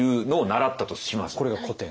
これが古典。